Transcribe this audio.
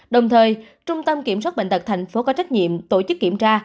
đồng thời trung tâm kiểm soát bệnh tật thành phố có trách nhiệm tổ chức kiểm tra